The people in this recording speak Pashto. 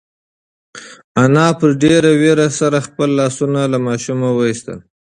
انا په ډېرې وېرې سره خپل لاسونه له ماشومه وایستل.